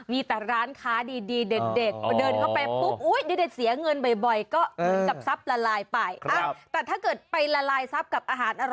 มีแต่ร้านค้าดีเด็ดเดินเข้าไปปุ๊บ